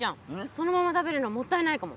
そのまま食べるのもったいないかも。